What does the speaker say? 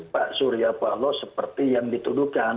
pak surya paloh seperti yang dituduhkan